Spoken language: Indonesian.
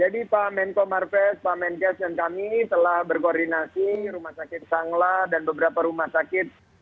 jadi pak menko marves pak menkes dan kami telah berkoordinasi rumah sakit sangla dan beberapa rumah sakit